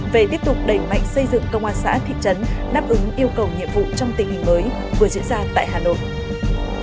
về tiếp tục đẩy mạnh xây dựng công an xã thị trấn đáp ứng yêu cầu nhiệm vụ trong tình hình mới vừa diễn ra tại hà nội